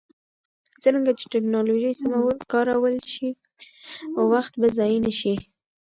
څرنګه چې ټکنالوژي سمه وکارول شي، وخت به ضایع نه شي.